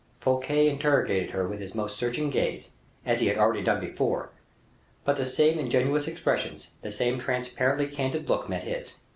Fouquet interrogated her with his most searching gaze, as he had already done before, but the same ingenious expressions, the same transparently candid look met his.